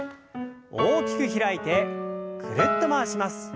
大きく開いてぐるっと回します。